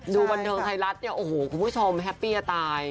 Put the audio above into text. ดูบันเทิงไทยรัฐเนี่ยโอ้โหคุณผู้ชมแฮปปี้จะตาย